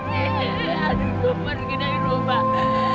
aduh gue aduh gue pergi dari rumah